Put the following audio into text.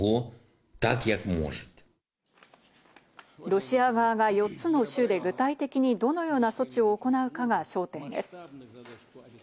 ロシア側が４つの州で具体的にどのような措置を行うかが焦点です。